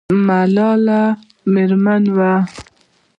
ملالۍ میړنۍ وه